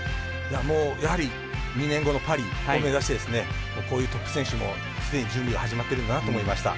もう、やはり２年後のパリを目指してこういう、トップ選手もすでに準備が始まってるんだなと思いました。